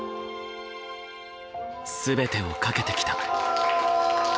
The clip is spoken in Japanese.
全てを懸けてきた。